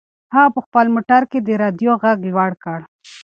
هغه په خپل موټر کې د رادیو غږ لوړ کړ.